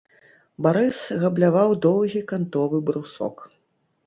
Барыс габляваў доўгі кантовы брусок.